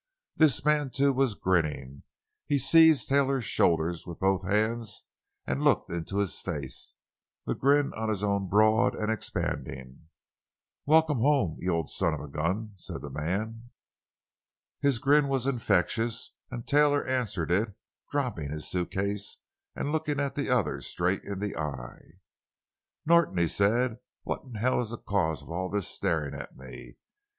This man, too, was grinning. He seized Taylor's shoulders with both hands and looked into his face, the grin on his own broad and expanding. "Welcome home—you old son of a gun!" said the man. His grin was infectious and Taylor answered it, dropping his suitcase and looking the other straight in the eyes. "Norton," he said, "what in hell is the cause of all this staring at me?